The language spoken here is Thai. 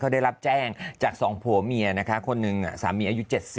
ได้รับแจ้งจาก๒ผัวเมียนะคะคนหนึ่งสามีอายุ๗๐